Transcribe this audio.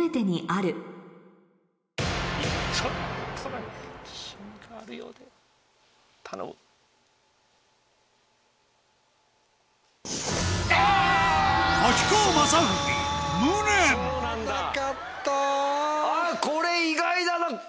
あぁこれ意外だな！